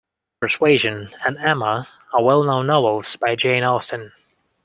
Persuasion and Emma are well-known novels by Jane Austen